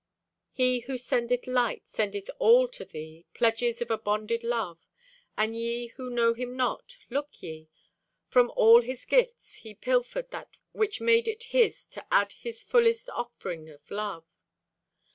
He who sendeth light Sendeth all to thee, pledges of a bonded love. And ye who know Him not, look ye! From all His gifts He pilfered that which made it His To add His fullest offering of love.